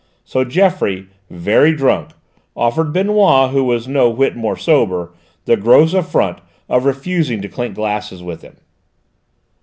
So Geoffroy, very drunk, offered Benoît, who was no whit more sober, the gross affront of refusing to clink glasses with him!